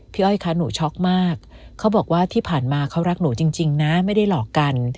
อ้อยคะหนูช็อกมากเขาบอกว่าที่ผ่านมาเขารักหนูจริงนะไม่ได้หลอกกัน